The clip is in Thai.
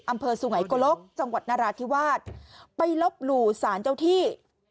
อำเภอสุไงโกลกจังหวัดนราธิวาสไปลบหลู่สารเจ้าที่